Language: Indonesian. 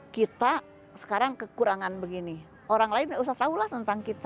kita sekarang kekurangan begini orang lain nggak usah tahu lah tentang kita